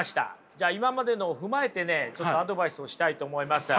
じゃあ今までのを踏まえてねアドバイスをしたいと思います。